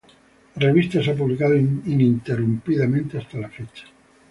La revista se ha publicado ininterrumpidamente hasta la fecha.